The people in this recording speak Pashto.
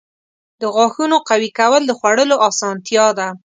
• د غاښونو قوي کول د خوړلو اسانتیا ده.